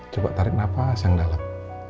coba tarik nafas yang dalam